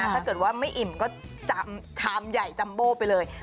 ถ้าเกิดว่าไม่อิ่มก็ชามใหญ่จัมโบ้ไปเลย